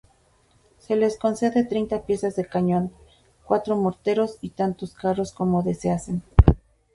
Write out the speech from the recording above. Se les concede treinta piezas de cañón, cuatro morteros y tantos carros como deseasen.